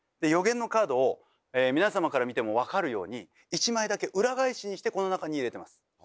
予言のカードを皆様から見ても分かるように１枚だけ裏返しにしてこの中に入れてます。